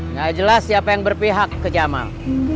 nggak jelas siapa yang berpihak ke jamal